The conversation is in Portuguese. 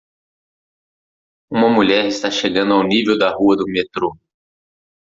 Uma mulher está chegando ao nível da rua do metrô.